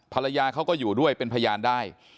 ภรรยาเขาก็อยู่ด้วยเป็นพยานได้